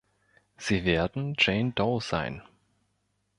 Sie werden Jane Doe sein.